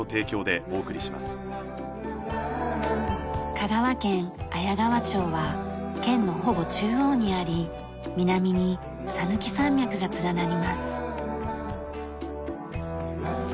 香川県綾川町は県のほぼ中央にあり南に讃岐山脈が連なります。